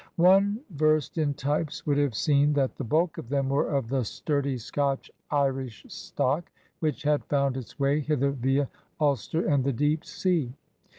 One versed in types would have seen that the bulk of them were of the sturdy Scotch Irish stock ; which had found its way hither via Ulster and the deep sea; 40 ORDER NO.